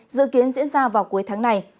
dự kiến diễn ra vào cuối tháng này